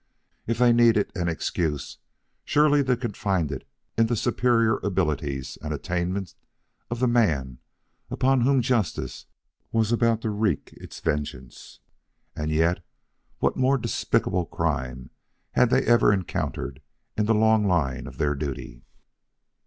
If they needed an excuse, surely they could find it in the superior abilities and attainment of the man upon whom justice was about to wreak its vengeance. And yet, what more despicable crime had they ever encountered in the long line of their duty.